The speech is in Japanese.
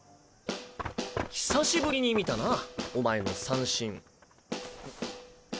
久しぶりに見たなお前の三振！